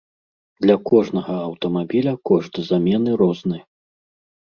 Для кожнага аўтамабіля кошт замены розны.